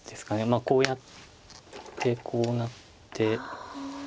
まあこうやってこうなって。